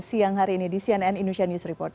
siang hari ini di cnn indonesia news report